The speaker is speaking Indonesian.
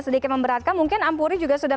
sedikit memberatkan mungkin ampuri juga sudah